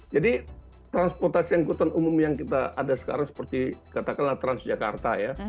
jadi transportasi angkutan umum yang kita ada sekarang seperti katakanlah transjakarta ya